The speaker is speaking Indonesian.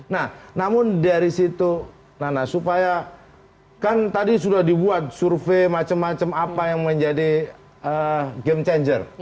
nah namun dari situ nana supaya kan tadi sudah dibuat survei macam macam apa yang menjadi game changer